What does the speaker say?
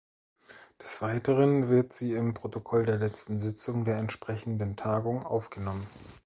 Des weiteren wird sie im Protokoll der letzten Sitzung der entsprechenden Tagung aufgenommen.